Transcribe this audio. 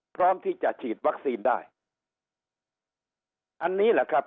พร้อมที่จะฉีดวัคซีนได้อันนี้แหละครับ